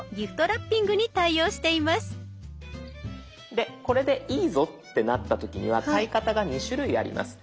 でこれでいいぞってなった時には買い方が２種類あります。